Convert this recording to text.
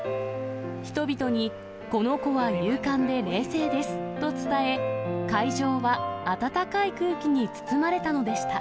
人々にこの子は勇敢で冷静ですと伝え、会場は温かい空気に包まれたのでした。